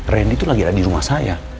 randy itu lagi ada di rumah saya